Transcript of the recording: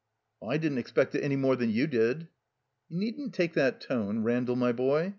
"I didn't expect it any more than you did." "You needn't take that tone, Randall, my' boy.